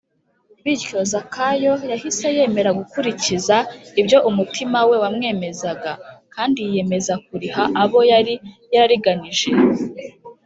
bityo zakayo yahise yemera gukurikiza ibyo umutima we wamwemezaga, kandi yiyemeza kuriha abo yari yarariganyije